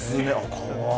かわいい。